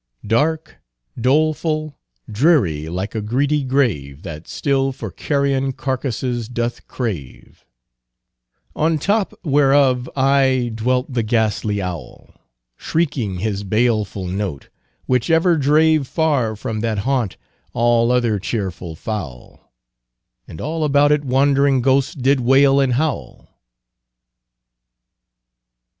"Darke, dolefull, dreary, like a greedy grave, That still for carrion carcasses doth crave; On top whereof ay dwelt the ghastly owl, Shrieking his balefull note, which ever drave Far from that haunt all other cheerful fowl, And all about it wandring ghosts did wayle and howl."